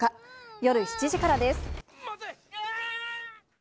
夜７時からです。